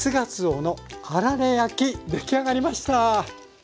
出来上がりました！